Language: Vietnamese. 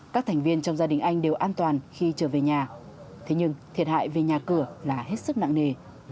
các thành viên trong gia đình anh đều an toàn khi trở về nhà thế nhưng thiệt hại về nhà cửa là hết sức nặng nề